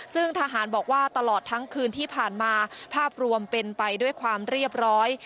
ซึ่งทหารบอกว่าตลอดทั้งคืนที่ผ่านมาภาพรวมเป็นไปด้วยความเรียบร้อย